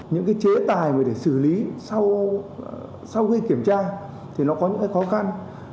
những cái chế tài mà để xử lý sau khi kiểm tra thì nó có những cái khó khăn